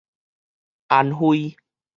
安徽